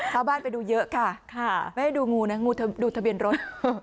ไปดูเยอะค่ะไม่ได้ดูงูนะงูดูทะเบียนรถ